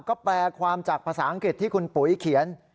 ก็แปลความจากภาษาอังกฤษที่คุณปุ๋ยเขียน